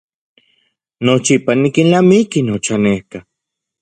Nochipa nikilnamiki nochanejka.